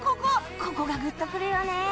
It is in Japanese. ここがぐっとくるよね。